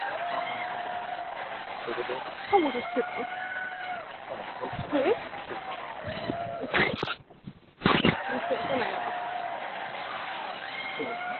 One of my favorite meals to cook is spaghetti bolognese.